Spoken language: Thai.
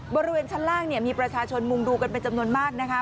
บริเวณชั้นล่างเนี่ยมีประชาชนมุงดูกันเป็นจำนวนมากนะคะ